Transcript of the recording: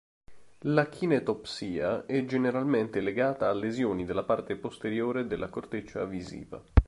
L'achinetopsia è generalmente legata a lesioni nella parte posteriore della corteccia visiva.